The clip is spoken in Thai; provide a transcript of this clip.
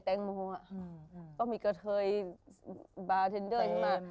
ต้องมีกระเทยบาร์เทนเดิร์นมา